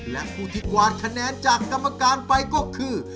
และผู้ที่กวาดคะแนนจากกรรมการไปก็คือ